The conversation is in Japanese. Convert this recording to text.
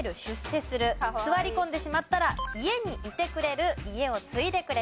座り込んでしまったら家にいてくれる家を継いでくれる。